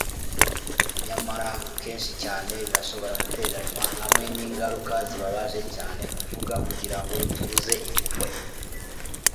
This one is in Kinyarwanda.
nyamara kenshi cyane birashobora gutereranwa hamwe ningaruka zibabaje cyane kuvuga. kugira ngo tubuze impuhwe